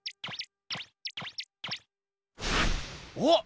おっ！